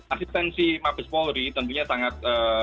asistensi mabes polri tentunya sangat